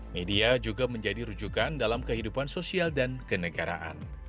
media juga menjadi rujukan dalam kehidupan sosial dan kenegaraan